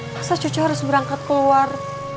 masa cucu harus berangkat keluar